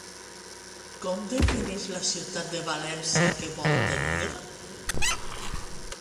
Com defineix la ciutat de València que vol tenir?